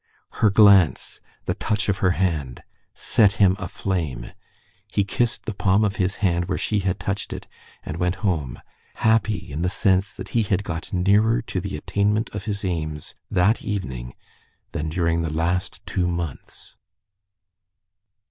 Her glance, the touch of her hand, set him aflame. He kissed the palm of his hand where she had touched it, and went home, happy in the sense that he had got nearer to the attainment of his aims that evening than during the last two months.